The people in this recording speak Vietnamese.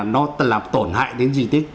nó làm tổn hại đến di tích